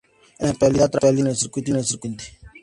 En la actualidad trabaja en el Circuito independiente.